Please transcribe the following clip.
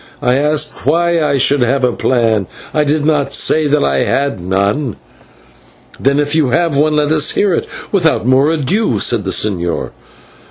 I asked why I should have a plan? I did not say that I had none." "Then if you have one, let us hear it without more ado," said the señor.